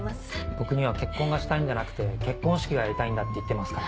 僕には「結婚がしたいんじゃなくて結婚式がやりたいんだ」って言ってますから。